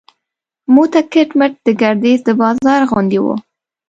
موته کټ مټ د ګردیز د بازار غوندې و.